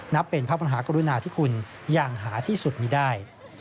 เป็นพระมหากรุณาธิคุณอย่างหาที่สุดมีได้